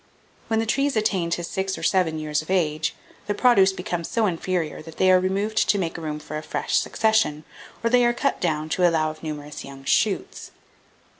When the trees attain to six or seven years of age, the produce becomes so inferior that they are removed to make room for a fresh succession, or they are cut down to allow of numerous young shoots.